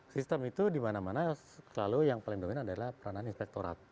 sistem itu dimana mana selalu yang paling dominan adalah peranan inspektorat